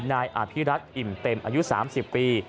นายอภิรัตนอิ่มเต็มอายุ๓๐ปี